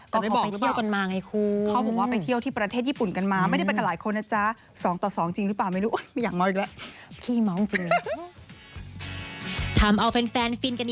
ก็พอไปเที่ยวกันมาไงคุณ